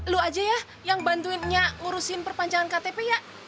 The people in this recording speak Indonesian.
lu aja ya yang bantuinnya ngurusin perpanjangan ktp ya